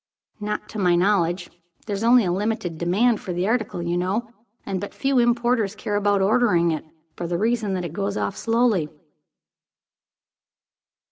"Not to my knowledge. There is only a limited demand for the article, you know, and but few importers care about ordering it, for the reason that it goes off slowly."